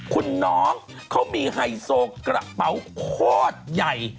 คุณน้องเขามีไฮโซกระเป๋าโคตรใหญ่